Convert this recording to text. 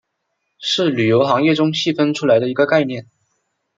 是旅游行业中细分出来的一个概念。